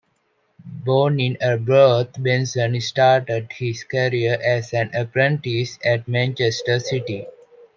Born in Arbroath, Benson started his career as an apprentice at Manchester City.